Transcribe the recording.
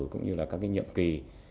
cũng như là các nhiệm kỳ